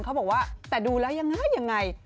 เขาบอกว่าแต่ดูแล้วยังไงยังไง